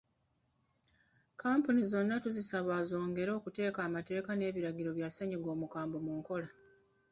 Kkampuni zonna tuzisaba zongere okuteeka amateeka n’ebiragiro bya ssennyiga omukambwe mu nkola.